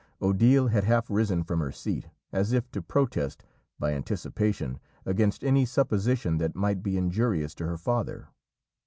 Odile had half risen from her seat, as if to protest, by anticipation, against any supposition that might be injurious to her father.